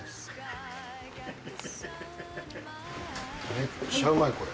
めっちゃうまいこれ。